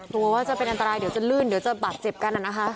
กลัวว่าจะเป็นอันตรายเดี๋ยวจะลื่นเดี๋ยวจะบาดเจ็บกันนะคะ